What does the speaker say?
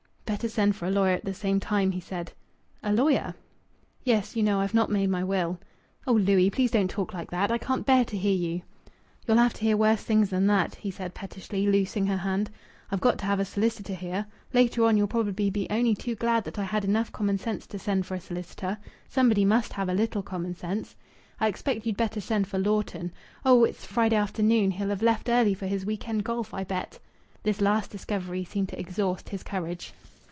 "Better send for a lawyer at the same time," he said. "A lawyer?" "Yes. You know I've not made my will." "Oh, Louis! Please don't talk like that! I can't bear to hear you." "You'll have to hear worse things than that," he said pettishly, loosing her hand. "I've got to have a solicitor here. Later on you'll probably be only too glad that I had enough common sense to send for a solicitor. Somebody must have a little common sense. I expect you'd better send for Lawton.... Oh! It's Friday afternoon he'll have left early for his week end golf, I bet." This last discovery seemed to exhaust his courage.